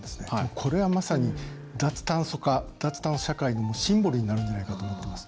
これは、まさに脱炭素社会のシンボルになるんじゃないかと思ってます。